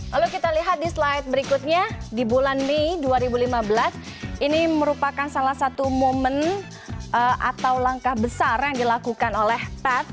lalu kita lihat di slide berikutnya di bulan mei dua ribu lima belas ini merupakan salah satu momen atau langkah besar yang dilakukan oleh pad